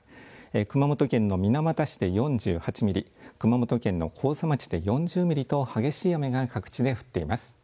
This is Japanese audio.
熊本県の水俣市で４８ミリ、熊本県の甲佐町で４０ミリと激しい雨が各地で降っています。